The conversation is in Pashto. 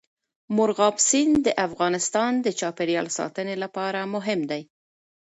مورغاب سیند د افغانستان د چاپیریال ساتنې لپاره مهم دی.